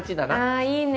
あいいね。